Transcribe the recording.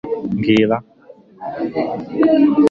mbwira